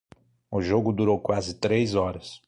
O jogo durou quase três horas